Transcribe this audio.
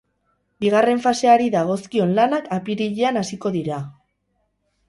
Bigaren faseari dagozkion lanak apirilean hasiko dira.